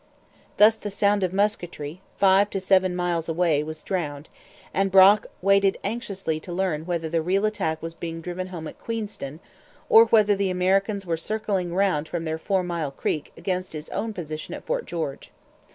Thus the sound of musketry, five to seven miles away, was drowned; and Brock waited anxiously to learn whether the real attack was being driven home at Queenston, or whether the Americans were circling round from their Four Mile Creek against his own position at Fort George.